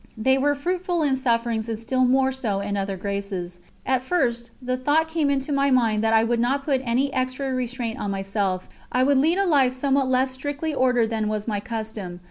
They were fruitful in sufferings and still more so in other graces. At first the thought came into my mind that I would not put any extra restraint on myself, I would lead a life somewhat less strictly ordered than was my custom.